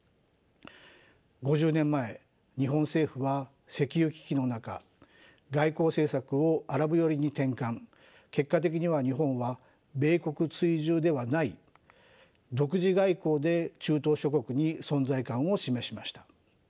５０年前日本政府は石油危機の中外交政策をアラブ寄りに転換結果的には日本は米国追従ではない独自外交で中東諸国に存在感を示しました。